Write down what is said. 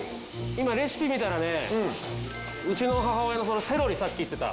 今レシピ見たらねうちの母親のこのセロリさっき言ってた。